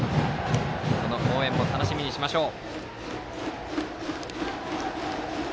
その応援も楽しみにしましょう。